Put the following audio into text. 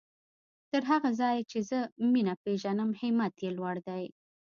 تر هغه ځايه چې زه مينه پېژنم همت يې لوړ دی.